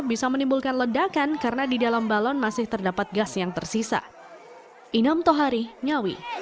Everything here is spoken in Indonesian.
bisa menimbulkan ledakan karena di dalam balon masih terdapat gas yang tersisa